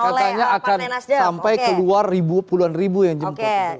katanya akan sampai keluar ribu puluhan ribu yang jemput